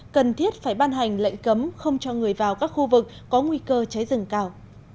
cần thiết phải ban hành lệnh cấm không cho người vào các khu vực có nguy cơ cháy rừng cao